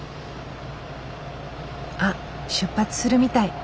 あっ出発するみたい。